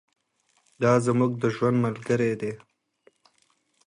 دا زموږ د ژوند ملګرې ده.